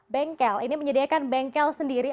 bengkel ini menyediakan bengkel sendiri